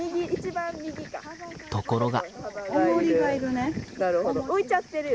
ところが。